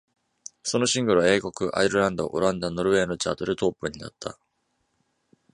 そのシングルは、英国、アイルランド、オランダ、ノルウェーのチャートでトップになった。